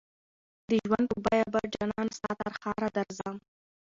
د ژوند په بیه به جانانه ستا ترښاره درځم